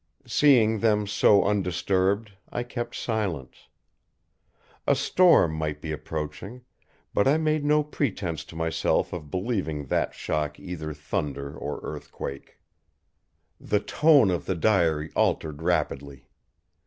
Seeing them so undisturbed, I kept silence. A storm might be approaching, but I made no pretense to myself of believing that shock either thunder or earthquake. The tone of the diary altered rapidly.